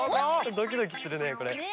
ドキドキするねこれ。ね。